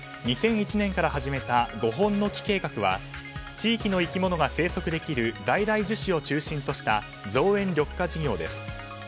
２００１年から始めた「５本の樹」計画は地域の生き物が生息できる在来樹種を中心とした造園緑化事業です。